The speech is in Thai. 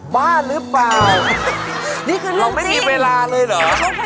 บ้าหรือเปล่า